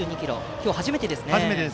今日初めてですね。